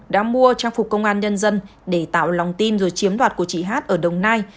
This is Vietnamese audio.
đã mua trang phục công an nhân dân để tạo lòng tin rồi chiếm đoạt của chị hát ở đồng nai